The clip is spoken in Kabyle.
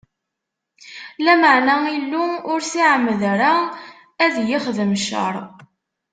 Lameɛna Illu ur s-iɛemmed ara ad yi-ixdem cceṛ.